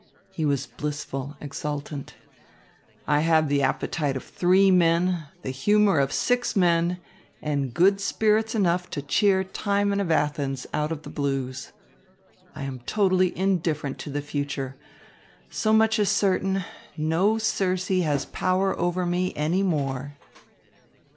He was blissful, exultant. "I have the appetite of three men, the humour of six men, and good spirits enough to cheer Timon of Athens out of the blues. I am totally indifferent to the future. So much is certain no Circe has power over me any more."